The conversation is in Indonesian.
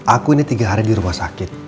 aku ini tiga hari di rumah sakit